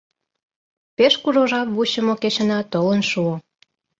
Пеш кужу жап вучымо кечына толын шуо.